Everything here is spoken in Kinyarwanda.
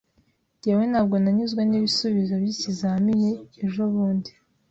Njyewe, ntabwo nanyuzwe n'ibisubizo by'ikizamini ejobundi